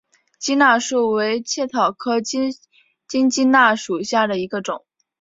鸡纳树为茜草科金鸡纳属下的一个种。